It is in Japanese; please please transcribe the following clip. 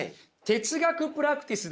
哲学プラクティス？